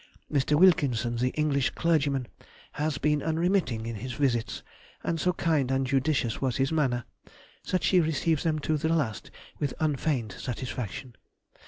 Mr. Wilkinson, the English clergyman, has been unremitting in his visits, and so kind and judicious was his manner, that she received them to the last with unfeigned satisfaction....